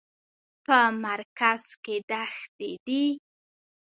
په مرکز کې دښتې دي.